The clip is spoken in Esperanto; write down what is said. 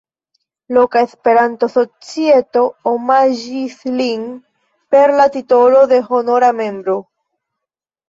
Loka Esperanto-societo omaĝis lin per la titolo de honora membro.